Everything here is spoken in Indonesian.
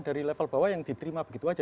dari level bawah yang diterima begitu saja